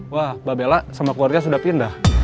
wah mbak bella sama keluarga sudah pindah